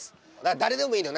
誰でもいいのよ。